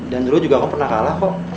dan dulu juga kamu pernah kalah kok